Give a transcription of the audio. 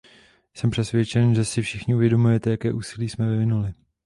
Jsem přesvědčen, že si všichni uvědomujete, jaké úsilí jsme vyvinuli.